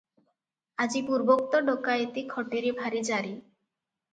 ଆଜି ପୂର୍ବୋକ୍ତ ଡକାଏତି ଖଟିରେ ଭାରି ଜାରି ।